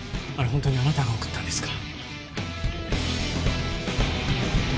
ホントにあなたが送ったんですか？